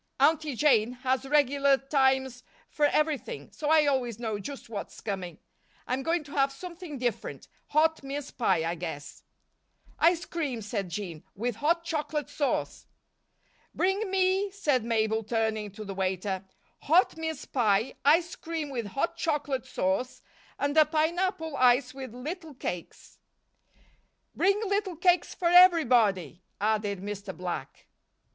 Aunty Jane has regular times for everything, so I always know just what's coming. I'm going to have something different hot mince pie, I guess." "Ice cream," said Jean, "with hot chocolate sauce." "Bring me," said Mabel, turning to the waiter, "hot mince pie, ice cream with hot chocolate sauce and a pineapple ice with little cakes." "Bring little cakes for everybody," added Mr. Black.